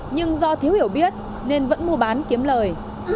nhưng do thiếu hiểu biết nên vẫn mua bán kiếm lời